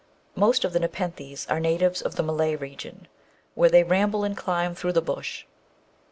Most of the Nepenthes are natives of the Malay region, where they ramble and climb through the bush.